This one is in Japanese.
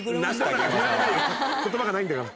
言葉がないんだから。